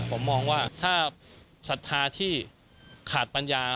ผมมองว่าถ้าศรัทธาที่ขาดปัญญา